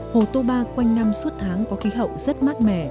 hồ toba quanh năm suốt tháng có khí hậu rất mát mẻ